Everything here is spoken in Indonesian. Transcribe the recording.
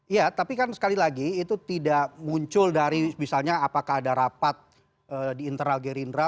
iya tapi kan sekali lagi itu tidak muncul dari misalnya apakah ada rapat di internal gerindra